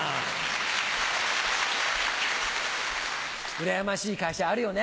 うらやましい会社あるよね。